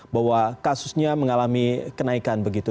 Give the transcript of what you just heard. bahwa kasusnya mengalami kenaikan begitu